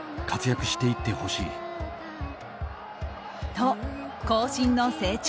と、後進の成長